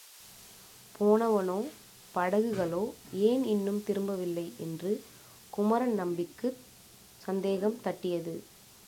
போனவனோ, படகுகளோ ஏன் இன்னும் திரும்பவில்லை என்று குமரன் நம்பிக்குச் சந்தேகம் தட்டியது.